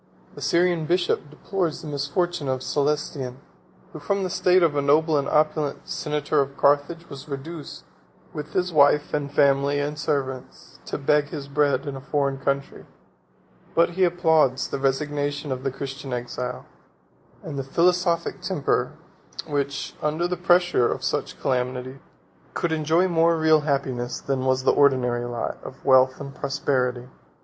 42 The Syrian bishop deplores the misfortunes of Cælestian, who, from the state of a noble and opulent senator of Carthage, was reduced, with his wife and family, and servants, to beg his bread in a foreign country; but he applauds the resignation of the Christian exile, and the philosophic temper, which, under the pressure of such calamities, could enjoy more real happiness than was the ordinary lot of wealth and prosperity.